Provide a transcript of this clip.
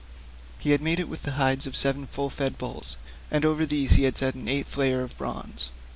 He had made it with the hides of seven full fed bulls, and over these he had set an eighth layer of bronze.